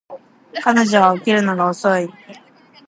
彼女は起きるのが遅い